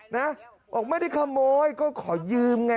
นะบอกไม่ได้ขโมยก็ขอยืมไง